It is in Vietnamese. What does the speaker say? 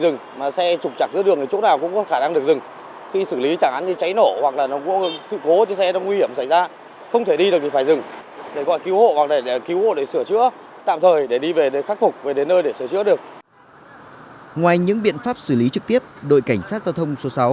ngoài những biện pháp xử lý trực tiếp đội cảnh sát giao thông số sáu